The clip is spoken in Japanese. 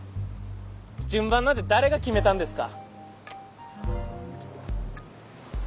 順番なんて誰が決めたんですか？